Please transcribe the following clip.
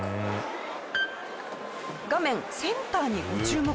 画面センターにご注目。